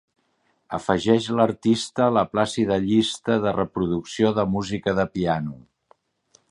Afegeix l'artista a la plàcida llista de reproducció de música de piano.